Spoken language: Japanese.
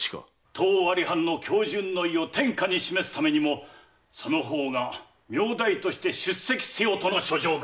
「当尾張藩の恭順の意を天下に示すためにもその方が名代として出席せよ」との書状が。